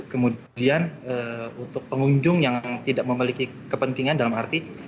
kemudian untuk pengunjung yang tidak memiliki kepentingan dalam arti